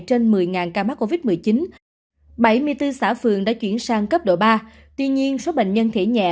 trên một mươi ca mắc covid một mươi chín bảy mươi bốn xã phường đã chuyển sang cấp độ ba tuy nhiên số bệnh nhân thể nhẹ